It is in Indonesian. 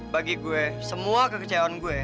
bagi gue semua kekecewaan gue